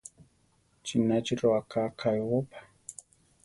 ¿Chí nachi roʼaká kaʼébopa?